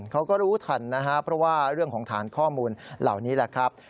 เขาก็รู้ทันนะครับเพราะว่าเรื่องของฐานข้อมูลเหล่านี้แหละครับ